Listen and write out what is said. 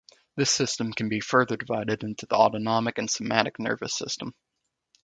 This system can be further divided into the autonomic and somatic nervous system.